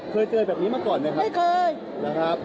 เป็นร่มเป็นน้ำ